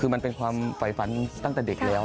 คือมันเป็นความฝ่ายฝันตั้งแต่เด็กแล้ว